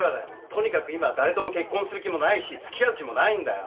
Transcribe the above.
とにかく今は誰とも結婚する気もないし付き合う気もないんだよ。